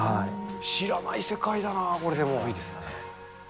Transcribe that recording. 知らない世界だな、これ、すごいですね。